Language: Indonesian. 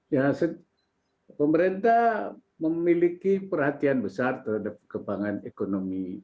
ya pemerintah memiliki perhatian besar terhadap kebangan ekonomi